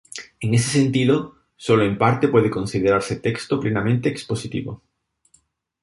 En ese sentido, sólo en parte puede considerarse texto plenamente expositivo.